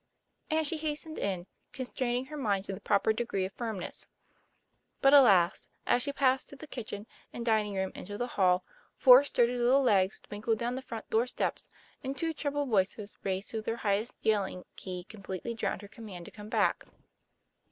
And she hastened in, constrain ing her mind to the proper degree of firmness. But alas! as she passed through the kitchen and dining room into the hall, four sturdy little legs twinkled down the front door steps; and two treble voices raised to their highest yelling key completely drowned her command to come back.